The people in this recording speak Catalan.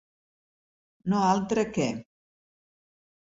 No altre que.